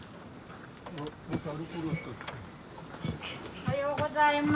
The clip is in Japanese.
おはようございます。